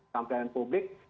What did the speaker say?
sampai yang publik